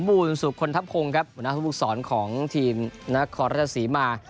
สมบูรณ์สู่คนทับคงครับบุญนาภูมิภูมิสอนของทีมนครราชศรีมาร์